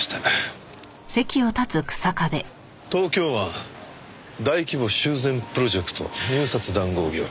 東京湾大規模修繕プロジェクト入札談合疑惑。